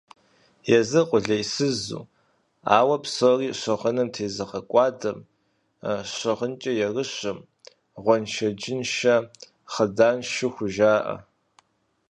Езыр къулейсызу, ауэ псори щыгъыным тезыгъэкӀуадэм, щыгъынкӀэ ерыщым гъуэншэджыншэ хъыданшу хужаӀэ.